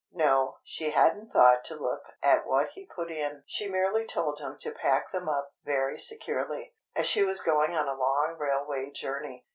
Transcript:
No, she hadn't thought to look at what he put in; she merely told him to pack them up very securely, as she was going on a long railway journey.